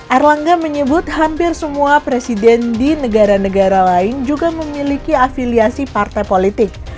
erlangga menyebut hampir semua presiden di negara negara lain juga memiliki afiliasi partai politik